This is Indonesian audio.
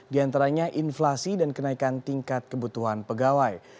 di antaranya inflasi dan kenaikan tingkat kebutuhan pegawai